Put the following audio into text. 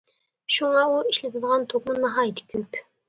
شۇڭا ئۇ ئىشلىتىدىغان توكمۇ ناھايىتى كۆپ.